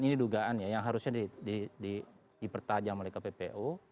ini dugaannya yang harusnya dipertajam oleh kppu